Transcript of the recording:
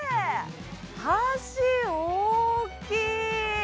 橋、大きい！